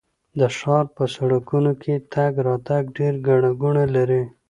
د ښار په سړکونو کې تګ راتګ ډېر ګڼه ګوڼه لري.